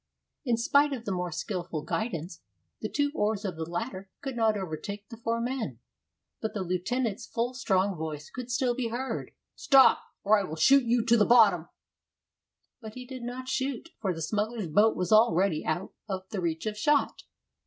In spite of the more skillful guidance, the two oars of the latter could not overtake the four men. But the lieutenant's full strong voice could still be heard: "Stop, or I will shoot you to the bottom!" But he did not shoot, for the smugglers' boat was already out of the reach of shot.